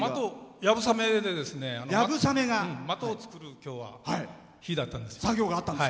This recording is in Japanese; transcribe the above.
やぶさめで的を作る日だったんです。